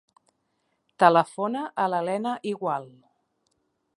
Telefona a la Lena Igual.